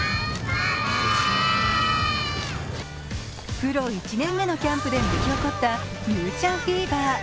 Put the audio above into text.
プロ１年目のキャンプで巻き起こった佑ちゃんフィーバー。